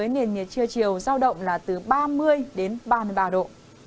nền nhiệt trưa chiều giao động là từ ba mươi đến ba mươi ba độ